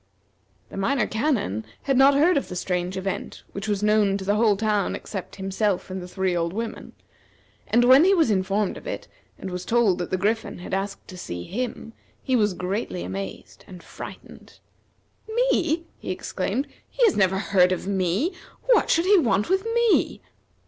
The Minor Canon had not heard of the strange event, which was known to the whole town except himself and the three old women, and when he was informed of it, and was told that the Griffin had asked to see him, he was greatly amazed, and frightened. "Me!" he exclaimed. "He has never heard of me! What should he want with me?"